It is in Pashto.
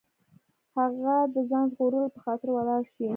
هغه د ځان ژغورلو په خاطر ولاړ شي.